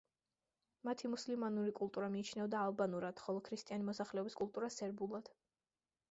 მათი მუსლიმანური კულტურა მიიჩნეოდა ალბანურად, ხოლო ქრისტიანი მოსახლეობის კულტურა სერბულად.